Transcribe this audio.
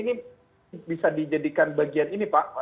ini bisa dijadikan bagian ini pak